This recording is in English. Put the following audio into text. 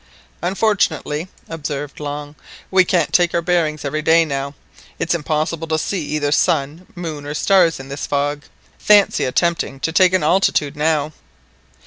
"Unfortunately," observed Long, "we can't take our bearings every day now. It's impossible to see either sun, moon, or stars in this fog. Fancy attempting to take an altitude now!"